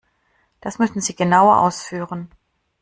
Das müssen Sie genauer ausführen.